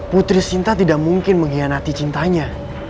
putri sinta tidak mungkin mengkhianati cintanya